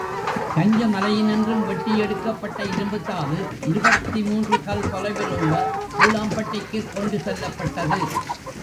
கஞ்ச மலையினின்றும் வெட்டி எடுக்கப்பட்ட இரும்புத்தாது இருபத்து மூன்று கல் தொலைவிலுள்ள பூலாம்பட்டிக்குக் கொண்டு செல்லப்பட்டது.